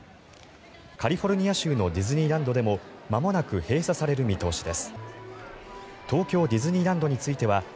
カリフォルニア州のディズニーランドでもまもなく閉鎖される見通しです。